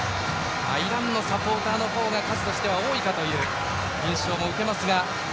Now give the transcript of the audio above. イランのサポーターの方が数としては多いかという印象も受けますが。